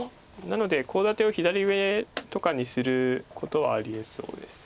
なのでコウ立てを左上とかにすることはありえそうです。